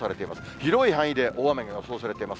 広い範囲で大雨が予想されています。